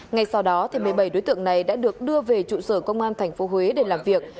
ngay sau đó một mươi bảy đối tượng này đã được đưa về trụ sở công an tp huế để làm việc